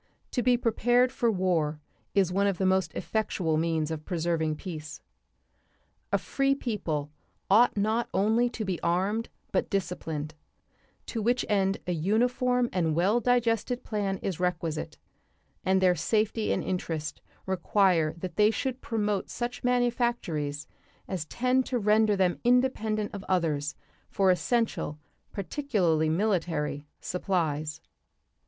To be prepared for war is one of the most effectual means of preserving peace. A free people ought not only to be armed, but disciplined; to which end a uniform and well digested plan is requisite; and their safety and interest require that they should promote such manufactories as tend to render them independent of others for essential, particularly military, supplies.